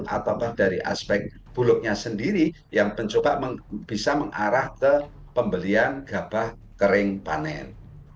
ataukah dari aspek bulognya sendiri yang mencoba bisa mengarah ke pembelian gabah kering panen